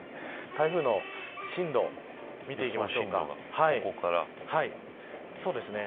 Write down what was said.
台風の進路見ていきましょうか。